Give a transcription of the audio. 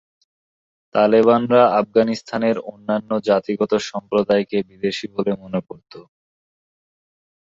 তালেবানরা আফগানিস্তানের অন্যান্য জাতিগত সম্প্রদায়কে বিদেশী বলে মনে করত।